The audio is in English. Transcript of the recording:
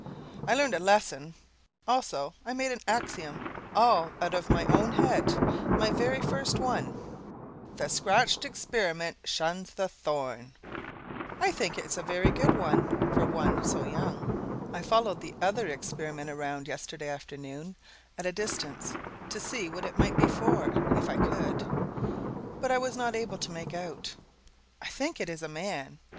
I learned a lesson; also I made an axiom, all out of my own head my very first one; THE SCRATCHED EXPERIMENT SHUNS THE THORN. I think it is a very good one for one so young. I followed the other Experiment around, yesterday afternoon, at a distance, to see what it might be for, if I could. But I was not able to make [it] out. I think it is a man.